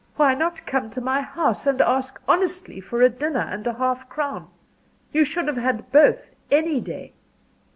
Why not come to my house and ask honestly for a dinner and a half crown? you should have had both, any day."